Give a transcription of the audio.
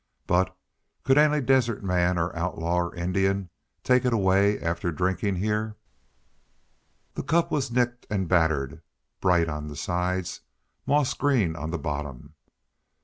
But could any desert man, or outlaw, or Indian, take it away, after drinking here?" The cup was nicked and battered, bright on the sides, moss green on the bottom.